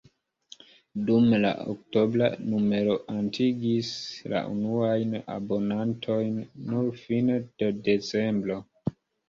Dume, la oktobra numero atingis la unuajn abonantojn nur fine de decembro.